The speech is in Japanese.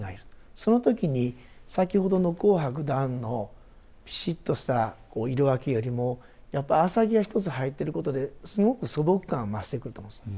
その時に先ほどの紅白段のピシッとした色分けよりもやっぱり浅葱が一つ入ってることですごく素朴感増してくると思うんです。